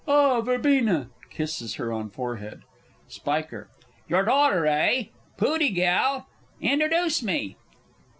Ah, Verbena! [Kisses her on forehead. Spiker. Your daughter, eh? Pooty gal. Introduce me.